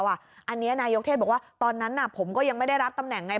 อันนี้นายกเทศบอกว่าตอนนั้นผมก็ยังไม่ได้รับตำแหน่งไง